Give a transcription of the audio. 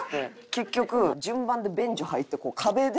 結局順番で便所入って壁で。